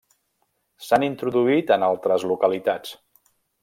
S'han introduït en altres localitats.